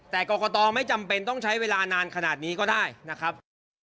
แต่กรกตไม่จำเป็นต้องใช้เวลานานขนาดนี้ก็ได้นะครับ